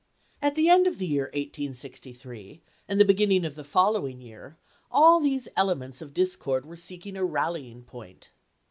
At the end of the year 1863 and the beginning of the following year all these elements of discord were seeking a rallying point.